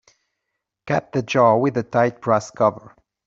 Cap the jar with a tight brass cover.